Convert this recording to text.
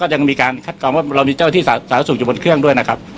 ยังมีการคัดกรองว่าเรามีเจ้าหน้าที่สาธารณสุขอยู่บนเครื่องด้วยนะครับ